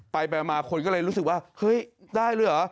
ไปมาคนก็เลยรู้สึกว่าเฮ้ยได้เลยเหรอ